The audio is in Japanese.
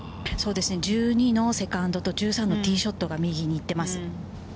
１２のセカンドと１３のティーショットが右に行っています。